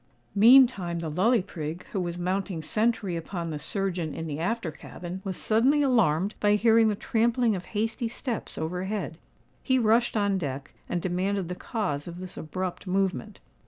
Meantime the Lully Prig, who was mounting sentry upon the surgeon in the after cabin, was suddenly alarmed by hearing the trampling of hasty steps over head. He rushed on deck, and demanded the cause of this abrupt movement.